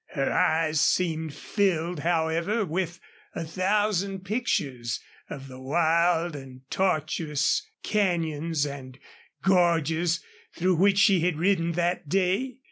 Her eyes seemed filled, however, with a thousand pictures of the wild and tortuous canyons and gorges through which she had ridden that day.